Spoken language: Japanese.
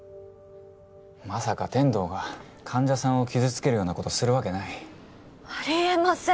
まさか天堂が患者さんを傷つけるようなことするわけないありえません